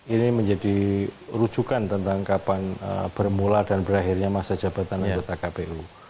ini menjadi rujukan tentang kapan bermula dan berakhirnya masa jabatan anggota kpu